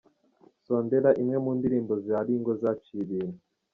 Sondela, imwe mu ndirimbo za Ringo zaciye ibintu.